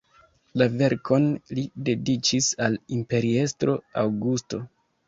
La verkon li dediĉis al imperiestro Aŭgusto.